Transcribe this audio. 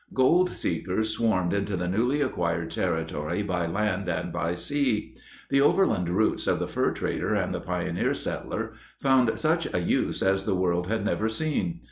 Gold seekers swarmed into the newly acquired territory by land and by sea. The overland routes of the fur trader and the pioneer settler found such a use as the world had never seen.